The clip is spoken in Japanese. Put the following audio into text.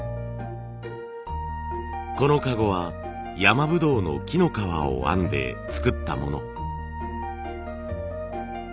この籠は山ぶどうの木の皮を編んで作ったもの。